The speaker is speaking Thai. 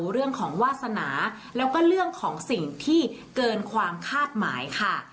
เรื่องของวาสนาแล้วก็เรื่องของสิ่งที่เกินความคาดหมายค่ะ